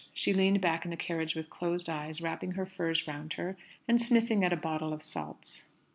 She leaned back in the carriage with closed eyes, wrapping her furs round her, and sniffing at a bottle of salts.